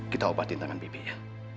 kita obatin tangan bibi ya